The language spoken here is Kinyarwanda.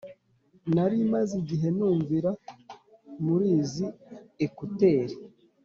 Narimaze igihe numvira murizi ekuteri